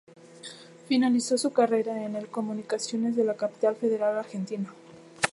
Finalizó su carrera en el Comunicaciones de la capital federal argentina.